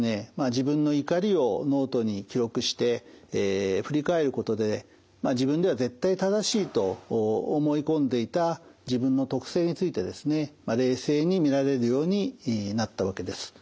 自分の怒りをノートに記録して振り返ることで自分では絶対正しいと思い込んでいた自分の特性について冷静に見られるようになったわけです。